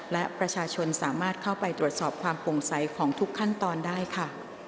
และประชาชนสามารถเข้าไปตรวจสอบความโปร่งใสของทุกขั้นตอนได้ค่ะ